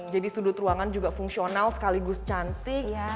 jadi sudut ruangan juga fungsional sekaligus cantik